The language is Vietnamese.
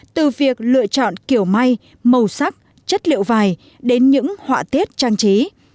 từ việc lựa chọn kiểu may màu sắc chất liệu vải đến những họa tiết trang trí